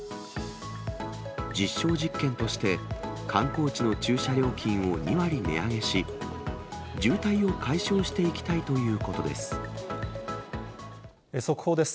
実証実験として、観光地の駐車料金を２割値上げし、渋滞を解消していきたいというこ速報です。